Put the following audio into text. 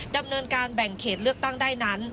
ดำเนินการแบ่งเขตเลือกตั้งได้นั้น